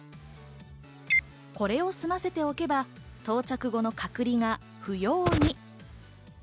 これを済ませておけば到着後の隔離が不要に。